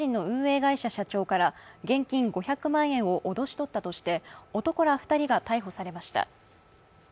会社社長から現金５００万円を脅し取ったとして男ら２人が逮捕されました。